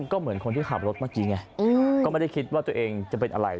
ก็เหมือนคนที่ขับรถเมื่อกี้ไงก็ไม่ได้คิดว่าตัวเองจะเป็นอะไร